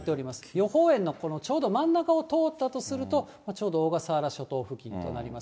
予報円のこのちょうど真ん中を通ったとすると、ちょうど小笠原諸島付近となります。